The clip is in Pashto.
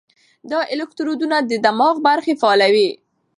دا الکترودونه د دماغ برخې فعالوي.